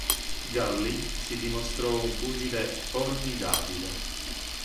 Gully si dimostrò un pugile formidabile.